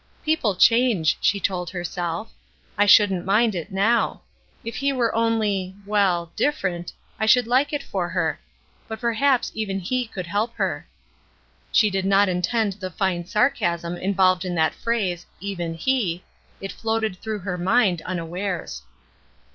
"People change," she told herself. "I shouldn't mind it now; if he were only — well, different, I should like it for her; but perhaps even he could help her." She did not intend the fine sarcasm involved in that phrase "even he" ; it floated through her mind unawares.